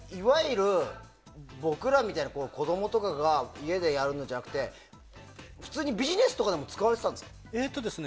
僕らみたいな子供とかが家でやるのじゃなくて普通にビジネスとかでも使われてたんですか？